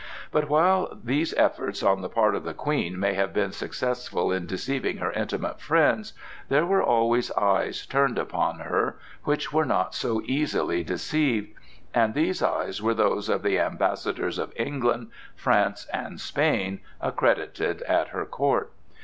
But while these efforts on the part of the Queen may have been successful in deceiving her intimate friends, there were always eyes turned upon her which were not so easily deceived,—and these eyes were those of the ambassadors of England, France, and Spain accredited at her court.